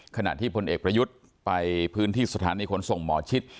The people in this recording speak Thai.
ขณะที่พลเอกประยุทธ์ไปพื้นที่สถานีขนส่งหมอชิด